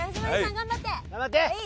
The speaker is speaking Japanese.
頑張って！